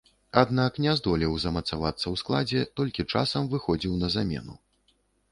Аднак, не здолеў замацавацца ў складзе, толькі часам выхадзіў на замену.